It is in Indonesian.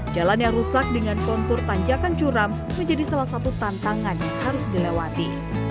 jalan yang rusak dengan kontur tanjakan curam menjadi salah satu tantangan yang harus dilewati